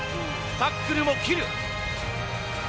タックルも切る。